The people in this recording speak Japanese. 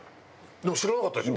でも知らなかったでしょ？